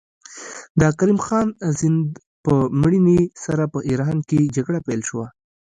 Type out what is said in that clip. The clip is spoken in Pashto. د کریم خان زند په مړینې سره په ایران کې جګړه پیل شوه.